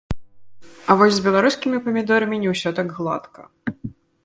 А вось з беларускімі памідорамі не ўсё так гладка.